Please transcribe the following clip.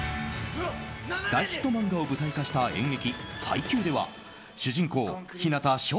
大ヒット漫画を舞台化した演劇「ハイキュー！！」では主人公・日向翔